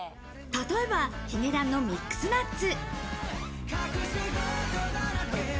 例えばヒゲダンの『ミックスナッツ』。